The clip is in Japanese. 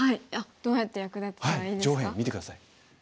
どうやって役立てたらいいですか？